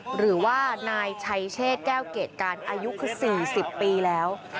หรือว่านายชัยเชศแก้วเกรดการอายุคือ๔๐ปีแล้ว